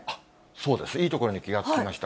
そうです、いいところに気が付きました。